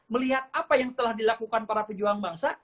melihat apa yang telah dilakukan para pejuang bangsa